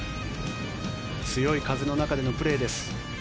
強い風の中でのプレーです。